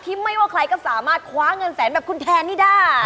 ไม่ว่าใครก็สามารถคว้าเงินแสนแบบคุณแทนนี่ได้